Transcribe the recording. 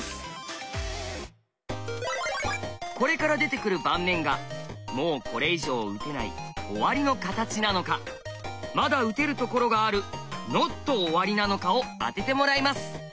これから出てくる盤面がもうこれ以上打てない「終わりの形」なのかまだ打てるところがある「ＮＯＴ終わり」なのかを当ててもらいます！